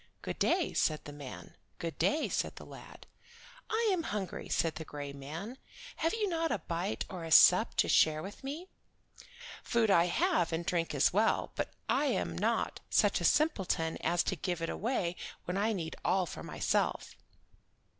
"Good day," said the man. "Good day," said the lad. "I am hungry," said the gray man. "Have you not a bite or a sup to share with me?" "Food I have and drink as well, but I am not such a simpleton as to give it away when I need all for myself."